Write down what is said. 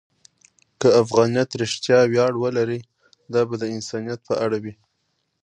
که افغانیت رښتیا ویاړ ولري، دا به د انسانیت په اړه وي.